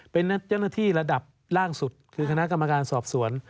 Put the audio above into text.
เป็นเจ้าหน้าที่ระดับล่างสุดคือคณะกรรมการสอบสวน